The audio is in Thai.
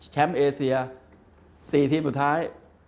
แชมป์เอเซีย๔ทีมสุดท้าย